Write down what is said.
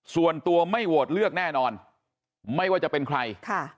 ส่วนตัวไม่โหวตเลือกแน่นอนไม่ว่าจะเป็นใคร